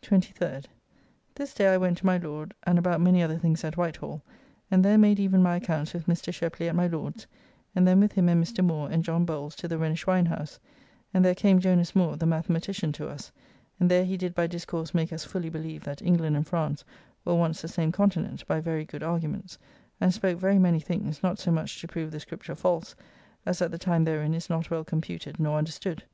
23rd. This day I went to my Lord, and about many other things at Whitehall, and there made even my accounts with Mr. Shepley at my Lord's, and then with him and Mr. Moore and John Bowles to the Rhenish wine house, and there came Jonas Moore, the mathematician, to us, and there he did by discourse make us fully believe that England and France were once the same continent, by very good arguments, and spoke very many things, not so much to prove the Scripture false as that the time therein is not well computed nor understood.